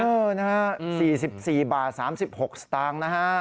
เออนะฮะ๔๔บาท๓๖สตางค์นะฮะ